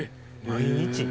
毎日？